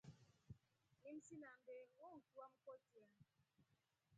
Nimsinambe wouki wamkotya.